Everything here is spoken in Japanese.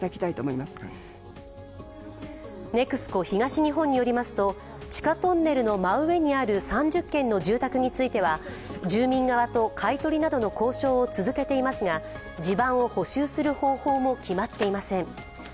ＮＥＸＣＯ東日本によりますと、地下トンネルの真上にある３０軒の住宅については住民側と買い取りなどの交渉を続けていますが地盤を補修する方法も決まっていません。